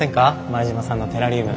前島さんのテラリウム。